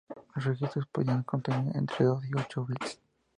Los registros podían contener entre dos y ocho bytes.